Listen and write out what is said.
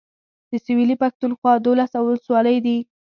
د سويلي پښتونخوا دولس اولسولۍ دي.